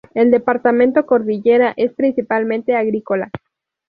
El departamento Cordillera es principalmente agrícola.